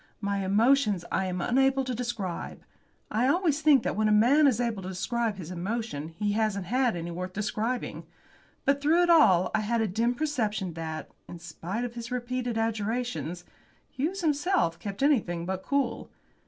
My emotions I am unable to describe. I always think that when a man is able to describe his emotions he hasn't had any worth describing. But through it all I had a dim perception that, in spite of his repeated adjurations, Hughes himself kept anything but cool.